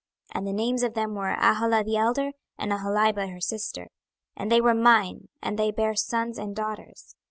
26:023:004 And the names of them were Aholah the elder, and Aholibah her sister: and they were mine, and they bare sons and daughters.